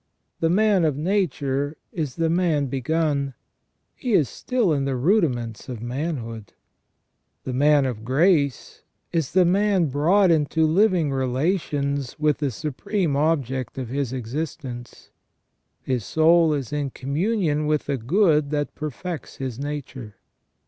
The man of nature is the man begun ; he is still in the rudi ments of manhood. The man of grace is the man brought into living relations with the supreme object of his existence, his soul is in communion with the good that perfects his nature.